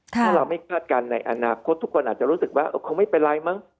ถ้าเราไม่คาดการณ์ในอนาคตทุกคนอาจจะรู้สึกว่าคงไม่เป็นไรมั้ง